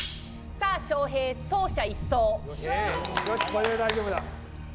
さぁ翔平走者一掃。